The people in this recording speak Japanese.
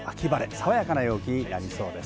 爽やかな陽気になりそうです。